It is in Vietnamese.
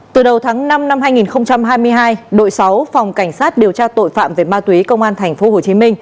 từ đầu tháng năm năm hai nghìn hai mươi hai đội sáu phòng cảnh sát điều tra tội phạm về ma túy công an tp hcm